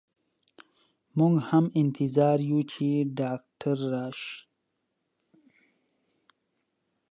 مو ږ هم انتظار يو چي ډاکټر راشئ.